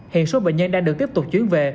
hiện số bệnh nhân đang được tiếp tục chuyến về